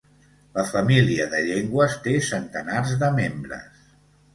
La família de llengües té centenars de membres.